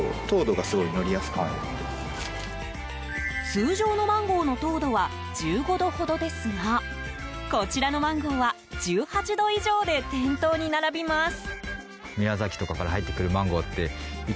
通常のマンゴーの糖度は１５度ほどですがこちらのマンゴーは１８度以上で店頭に並びます。